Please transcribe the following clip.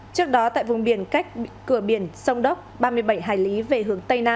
trước đó tại vùng biển cách cửa biển sông đốc ba mươi bảy hải lý về hướng tây nam